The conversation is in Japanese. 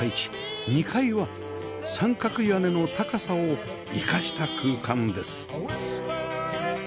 ２階は三角屋根の高さを生かした空間です